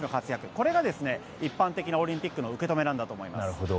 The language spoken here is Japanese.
これが一般的なオリンピックの受け止めなんだと思います。